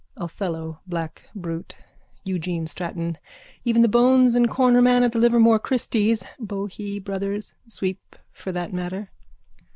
Othello black brute. Eugene Stratton. Even the bones and cornerman at the Livermore christies. Bohee brothers. Sweep for that matter.